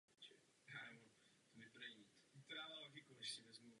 A ložní prádlo v pračce.